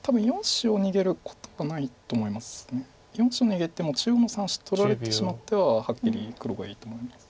４子を逃げても中央の３子取られてしまってははっきり黒がいいと思います。